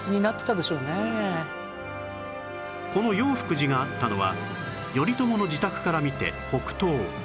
この永福寺があったのは頼朝の自宅から見て北東